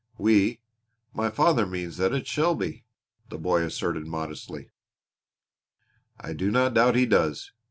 "We my father means that it shall be," the boy asserted modestly. "I do not doubt he does.